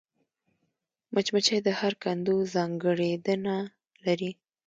مچمچۍ د هر کندو ځانګړېندنه لري